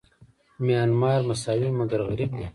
میانمار مساوي مګر غریب دی.